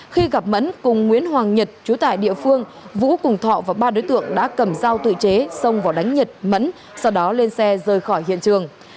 khi gặp mẫn cùng nguyễn hoàng nhật chú tại địa phương vũ cùng thọ và ba đối tượng đã cầm dao tự chế xông vào đánh nhật mẫn sau đó lên xe rời khỏi hiện trường